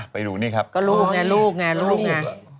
ไปดูนี่ครับก็ลูกไงลูกไงลูกไง